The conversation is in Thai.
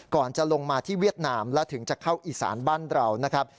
จะลงมาที่เวียดนามและถึงจะเข้าอีสานบ้านเรานะครับ